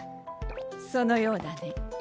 そのようだね。